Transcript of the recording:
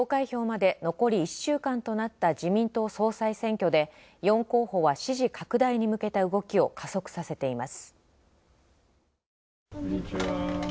投開票まで残り１週間となった自民党総裁選挙で４候補は支持拡大に向けた動きを加速させています。